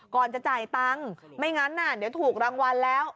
ก่อนจะจ่ายตังค์ไม่งั้นเดี๋ยวถูกรางวัลแล้ว